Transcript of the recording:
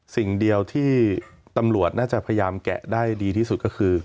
สิ่งเดียวที่ตำรวจน่าจะพยายามแกะได้ดีที่สุดก็คือ